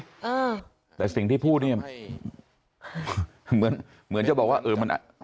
คุณพุทธต้องพูดเหมือนเจ้าบอกว่ามัน